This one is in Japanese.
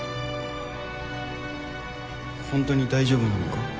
本当に大丈夫なのか？